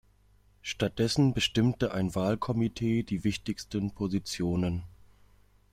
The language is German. Stattdessen bestimmte ein Wahlkomitee die wichtigsten Positionen.